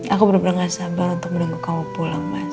aku benar benar gak sabar untuk menunggu kamu pulang mas